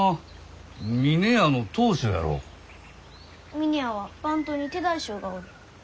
峰屋は番頭に手代衆がおる。